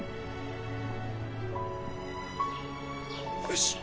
よし。